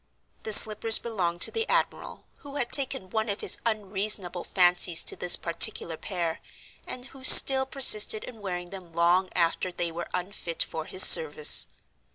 The slippers belonged to the admiral, who had taken one of his unreasonable fancies to this particular pair, and who still persisted in wearing them long after they were unfit for his service.